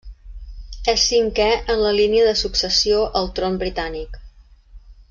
És cinquè en la línia de successió al tron britànic.